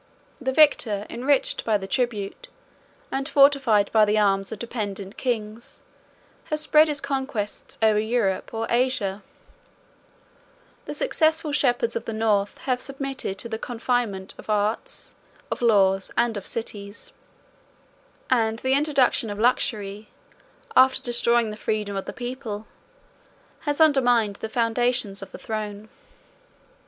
The victor, enriched by the tribute, and fortified by the arms of dependent kings, has spread his conquests over Europe or Asia: the successful shepherds of the North have submitted to the confinement of arts, of laws, and of cities; and the introduction of luxury, after destroying the freedom of the people, has undermined the foundations of the throne.